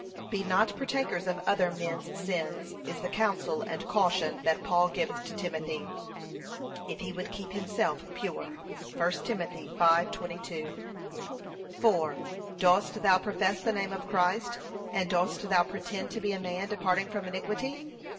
'Be not partakers of other men's sins,' is the counsel and caution that Paul giveth to Timothy, if he would keep himself pure. (1 Tim. 5:22) 4. Dost thou profess the name of Christ, and dost thou pretend to be a man departing from iniquity?